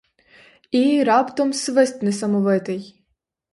І раптом свист несамовитий.